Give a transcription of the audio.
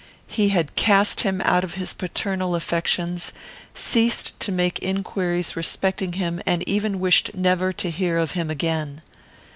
He had cast him out of his paternal affections, ceased to make inquiries respecting him, and even wished never to hear of him again.